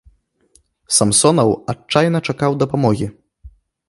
Самсонаў адчайна чакаў дапамогі.